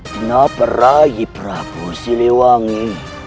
kenapa raih prabu siliwangi